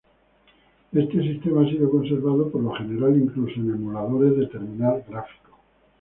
Este sistema ha sido conservado por lo general incluso en emuladores de terminal gráfico.